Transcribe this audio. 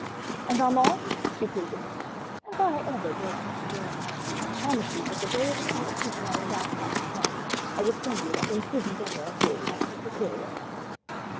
"And Armand?" she pleaded. "Have I ever broken my word? I promise you that the day the Scarlet Pimpernel and I start for France, I will send you that imprudent letter of his by special courier.